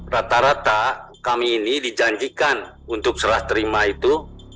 rata rata kami ini dijanjikan untuk serah terima itu